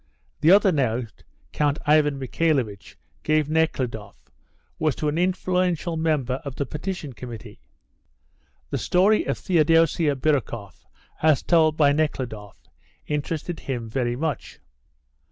The other note Count Ivan Michaelovitch gave Nekhludoff was to an influential member of the Petition Committee. The story of Theodosia Birukoff as told by Nekhludoff interested him very much.